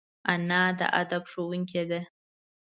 انا د ادب ښوونکې ده